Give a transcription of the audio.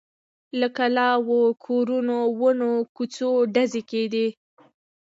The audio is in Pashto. له کلاوو، کورونو، ونو، کوڅو… ډزې کېدې.